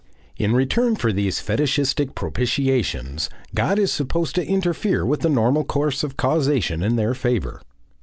In return for these fetishistic propitiations God is supposed to interfere with the normal course of causation in their favour.